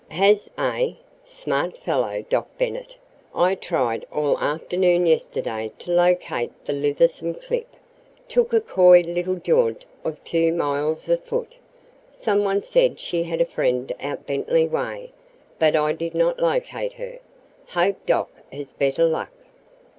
"Has, eh? Smart fellow, Doc Bennet! I tried all afternoon yesterday to locate the lithersome Clip. Took a coy little jaunt of two miles afoot some one said she had a friend out Bentley way, but I did not locate her. Hope Doc has better luck."